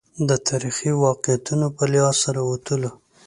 د تاریخي واقعیتونو په لحاظ سره وتلو.